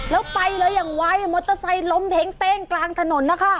แล้วไปเลยอย่างไวมอเตอร์ไซค์ล้มเท้งเต้งกลางถนนนะคะ